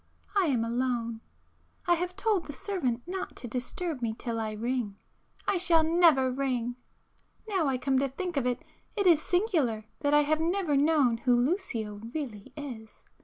I am alone. I have told the servant not to disturb me till I ring; ... I shall never ring! Now I come to think of it, it is singular that I have never known who Lucio really is.